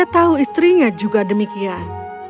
putrinya juga demikian